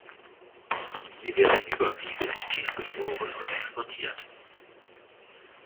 Sie werden überwiegend tiefgefroren und exportiert.